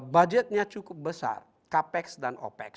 budgetnya cukup besar capex dan opex